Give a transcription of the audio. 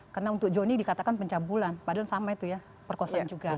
karena untuk joni dikatakan pencabulan padahal sama itu ya perkosaan juga